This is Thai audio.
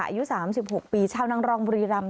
อายุ๓๖ปีชาวนางรองบุรีรำ